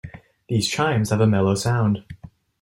These chimes have a mellow sound.